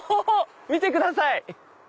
見てください！